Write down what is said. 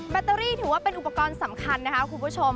แตรี่ถือว่าเป็นอุปกรณ์สำคัญนะคะคุณผู้ชม